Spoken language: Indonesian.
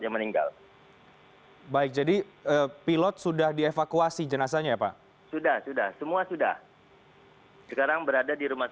menuju ke banyu biru